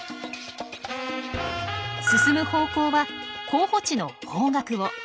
進む方向は候補地の方角を。